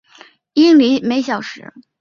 英里每小时。